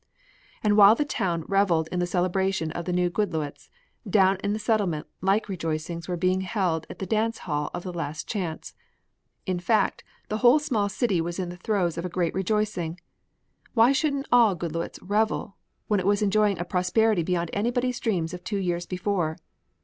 And while the Town reveled in celebration of the new Goodloets, down in the Settlement like rejoicings were being held at the dance hall of the Last Chance. In fact, the whole small city was in the throes of a great rejoicing. Why shouldn't all Goodloets revel when it was enjoying a prosperity beyond anybody's dreams of two years before?